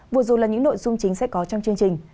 vùa dù là những nội dung chính sẽ có trong chương trình